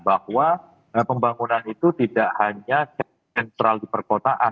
bahwa pembangunan itu tidak hanya central diperkontrol